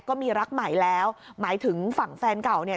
ก็มีรักใหม่แล้วหมายถึงฝั่งแฟนเก่าเนี่ย